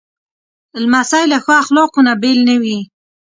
لمسی له ښو اخلاقو نه بېل نه وي.